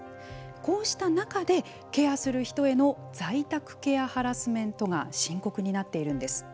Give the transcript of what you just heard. こうした中で、ケアする人への在宅ケアハラスメントが深刻になっているんです。